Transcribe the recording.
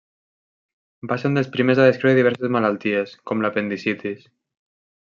Va ser un dels primers a descriure diverses malalties, com l'apendicitis.